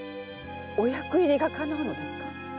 お役入りがかなうのですか？